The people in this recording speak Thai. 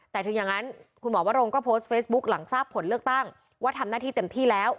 แต่ถึงอย่างนั้นคุณหมอวรงก็โพสต์เฟซบุ๊คหลังทราบผลเลือกตั้งว่าทำหน้าที่เต็มที่แล้ว